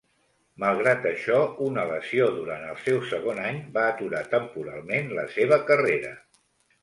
Malgrat això, una lesió durant el seu segon any va aturar temporalment la seva carrera.